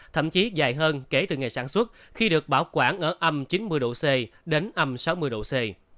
thậm chí dài hơn kể từ ngày sản xuất khi được bảo quản ở âm chín mươi độ c đến âm sáu mươi độ c